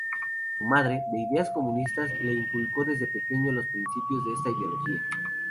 Su madre, de ideas comunistas, le inculcó desde pequeño los principios de esta ideología.